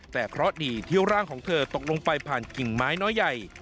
แต่เคราะห์ดีที่ร่างของเธอตกลงไปผ่านกิ่งไม้น้อยใหญ่